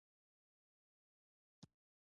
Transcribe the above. بل ځای بیا پاکستانی کاریګرانو کارونه کول.